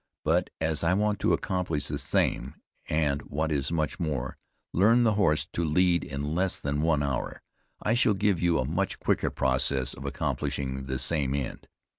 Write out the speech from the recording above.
But, as I want to accomplish the same, and what is much more, learn the horse to lead in less than one hour, I shall give you a much quicker process of accomplishing the same end.